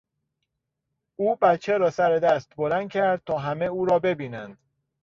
او بچه را سر دست بلند کرد تا همه او را ببینند.